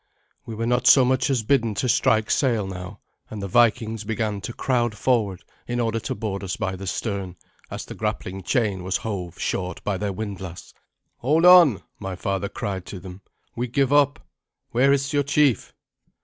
We were not so much as bidden to strike sail now, and the Vikings began to crowd forward in order to board us by the stern, as the grappling chain was hove short by their windlass. "Hold on," my father cried to them "we give up. Where is your chief?"